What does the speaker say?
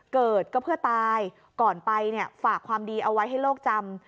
เกิดก็เพื่อตายก่อนไปเนี่ยฝากความดีเอาไว้ให้โลกจำ